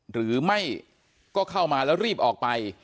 หรือไม่ก็เข้ามาแล้วรีบออกไป